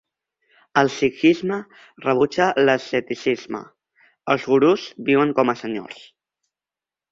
El sikhisme rebutja l'asceticisme: els gurús viuen com a senyors.